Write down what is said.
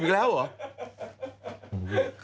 ๕๐ปีแล้วเหรอ